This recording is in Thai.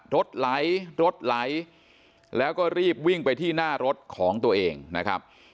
รถไหลรถไหลแล้วก็รีบวิ่งไปที่หน้ารถของตัวเองนะครับ